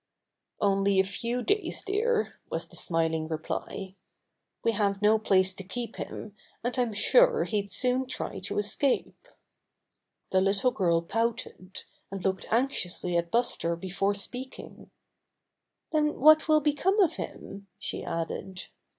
"Only a few days, dear," was the smiling reply. "We have no place to keep him, and I'm sure he'd soon try to escape." The little girl pouted, and looked anxiously at Buster before speaking. "Then what will become of him?" she added.